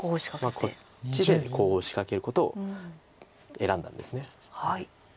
こっちでコウを仕掛けることを選んだんです。